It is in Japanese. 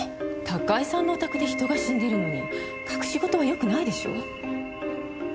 高井さんのお宅で人が死んでるのに隠し事はよくないでしょ？